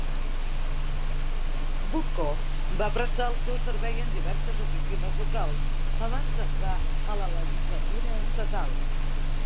Bucco va prestar el seu servei en diverses oficines locals abans d'entrar a la Legislatura Estatal.